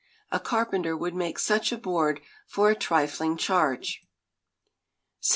A carpenter would make such a board for a trifling charge. 1643.